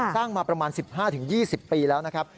สร้างมาประมาณ๑๕๒๐ปีแล้วนะครับ